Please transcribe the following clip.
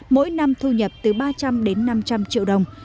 mỗi năm thu nhập từ ba trăm linh đến năm trăm linh triệu đồng